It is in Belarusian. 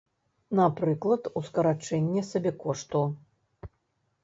Напрыклад, у скарачэнні сабекошту.